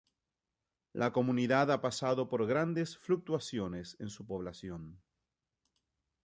La comunidad ha pasado por grandes fluctuaciones en su población.